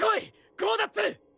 ゴーダッツ！